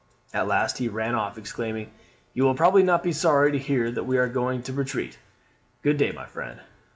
"At last he ran off, exclaiming, 'You will probably not be sorry to hear that we are going to retreat. Good day, my friend.'